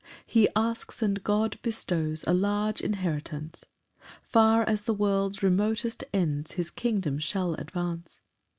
7 He asks, and God bestows A large inheritance; Far as the world's remotest ends His kingdom shall advance.